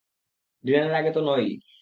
ডিনারের আগে তো নয়ই।